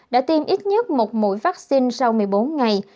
đã tiêm ít nhất một mũi vaccine sau một mươi bốn ngày